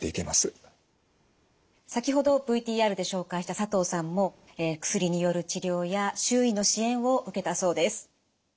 先ほどＶＴＲで紹介した佐藤さんも薬による治療や周囲の支援を受けたそうです。